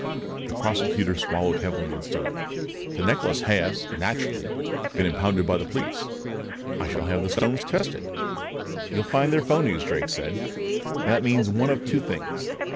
The Prosecutor swallowed heavily and stood up. "The necklace has, naturally, been impounded by the police. I shall have the stones tested." "You'll find they're phonies," Drake said. "And that means one of two things.